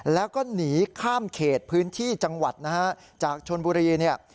แล้วก็หนีข้ามเขตพื้นที่จังหวัดนะฮะจากชนบุรีเนี่ย